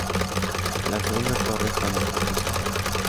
La segunda torre está mejor conservada.